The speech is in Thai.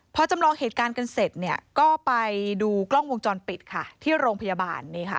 พอจำลองเหตุการณ์กันเสร็จเนี่ยก็ไปดูกล้องวงจรปิดค่ะที่โรงพยาบาล